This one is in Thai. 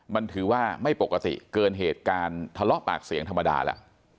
มันถือว่าไม่ปกติเกินเหตุการณ์ทะเลาะปากเสียงธรรมดาแล้ว